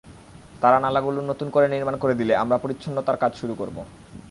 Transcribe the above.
তারা নালাগুলো নতুন করে নির্মাণ করে দিলে আমরা পরিচ্ছন্নতার কাজ শুরু করব।